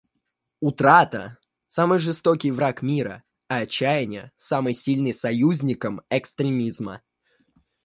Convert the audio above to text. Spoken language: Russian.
Утрата — самый жестокий враг мира, а отчаяние — самый сильный союзником экстремизма.